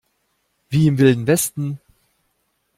Wie im Wilden Westen!